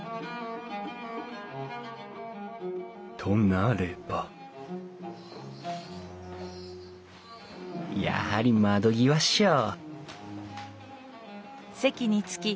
となればやはり窓際っしょ！